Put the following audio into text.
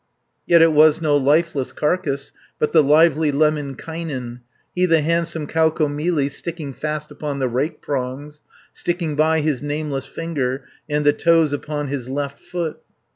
Yet it was no lifeless carcass, But the lively Lemminkainen, He the handsome Kaukomieli, Sticking fast upon the rake prongs, 270 Sticking by his nameless finger, And the toes upon his left foot.